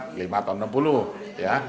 lima tahun enam puluh